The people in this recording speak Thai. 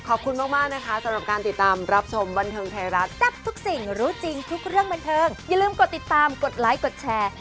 อันนี้ก็เสิร์ฟใหม่เหมือนกันนะคะ